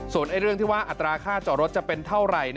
ส่วนเรื่องที่ว่าอัตราค่าจอดรถจะเป็นเท่าไหร่